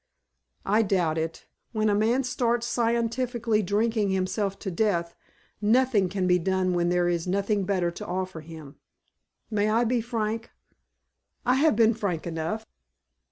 "I doubt it. When a man starts scientifically drinking himself to death nothing can be done when there is nothing better to offer him. May I be frank?" "I have been frank enough!"